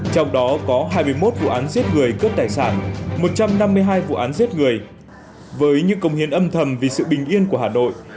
trong đó có hai mươi một vụ án giết người cướp tài sản một trăm năm mươi hai vụ án giết người với những công hiến âm thầm vì sự bình yên của hà nội